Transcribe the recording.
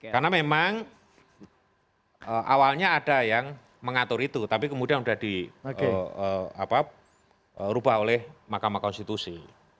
karena memang awalnya ada yang mengatur itu tapi kemudian sudah dirubah oleh mahkamah konstitusi